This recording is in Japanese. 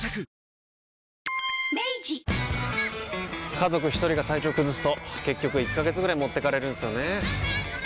家族一人が体調崩すと結局１ヶ月ぐらい持ってかれるんすよねー。